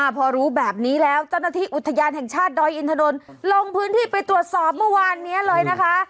พอรู้แบบนี้แล้วเจ้าหน้าที่อุทยานแห่งชาติดอยอินทนนท์ลงพื้นที่ไปตรวจสอบเมื่อวานนี้เลยนะคะ